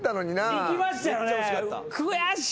いきましたよね？